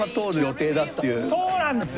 そうなんですよ